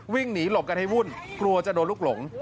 วิ่งหนีหลบกันให้วุ่นกลัวจะโดนลูกหลง